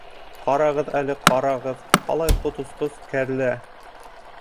— Ҡарағыҙ әле, ҡарағыҙ, ҡалай ҡот осҡос кәрлә!